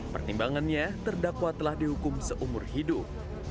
pertimbangannya terdakwa telah dihukum seumur hidup